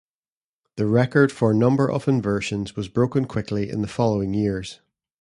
The record for number of inversions was broken quickly in the following years.